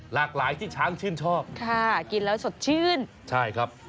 หลากหลายที่ช้างชื่นชอบค่ะกินแล้วสดชื่นใช่ครับ